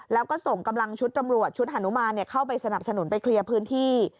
แล้วก็ส่งกำลังชุดตำรวจชุดฮานุมานเข้าไปสนับสนุนไปเคลียร์พื้นที่